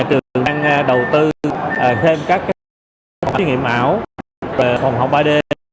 trường đang đầu tư thêm các kỹ nghiệm ảo về phòng học ba d